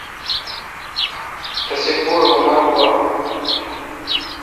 تسی پو اؘ عمر گوا۔